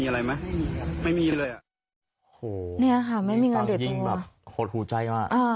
หดหูใจมาก